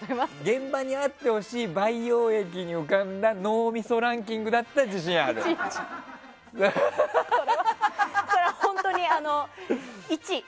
現場にあってほしい培養液に浮かんだ脳みそランキングだったらそれは、本当に１位。